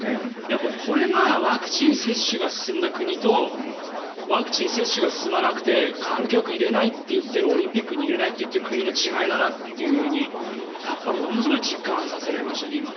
これがワクチン接種が進んだ国とワクチン接種が進まなくて観客を入れないと言っているオリンピックに入れないと言っている国の違いだなというふうに今ものすごい実感させられましたね。